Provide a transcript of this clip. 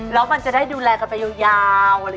แล้วมันจะได้ดูแลกันไปยาว